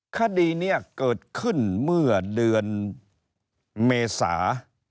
คดีนี้เกิดขึ้นเมื่อเดือนเมษา